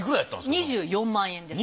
２４万円です。